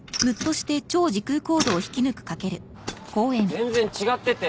全然違ってて。